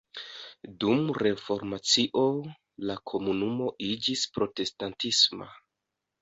Dum Reformacio la komunumo iĝis protestantisma.